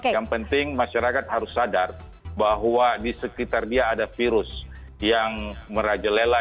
yang penting masyarakat harus sadar bahwa di sekitar dia ada virus yang merajalela